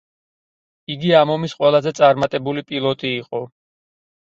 იგი ამ ომის ყველაზე წარმატებული პილოტი იყო.